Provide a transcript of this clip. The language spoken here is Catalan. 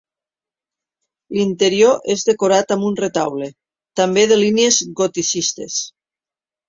L'interior és decorat amb un retaule, també de línies goticistes.